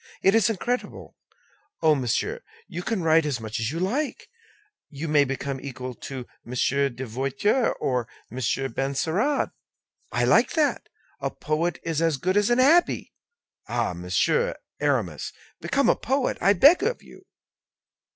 It is incredible! Oh, monsieur, you can write as much as you like; you may become equal to Monsieur de Voiture and Monsieur de Benserade. I like that. A poet is as good as an abbé. Ah! Monsieur Aramis, become a poet, I beg of you."